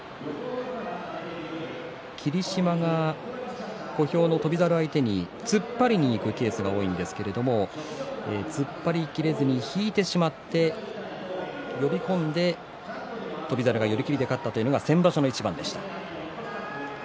霧島が小兵の翔猿を相手に突っ張りにいくケースが多いんですけれど突っ張りきれずに引いてしまって呼び込んで翔猿が寄り切りで勝ったというのが先場所の一番でした。